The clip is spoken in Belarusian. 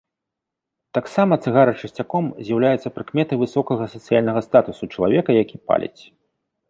Таксама цыгара часцяком з'яўляецца прыкметай высокага сацыяльнага статусу чалавека, які паліць.